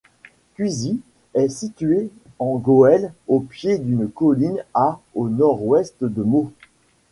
Cuisy est situé en Goële au pied d'une colline à au nord-ouest de Meaux.